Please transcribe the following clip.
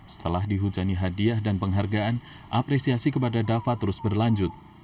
setelah dihujani hadiah dan penghargaan apresiasi kepada dava terus berlanjut